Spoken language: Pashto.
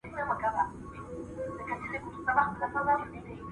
څوك مي غلا څوك مي زنا ته هڅولي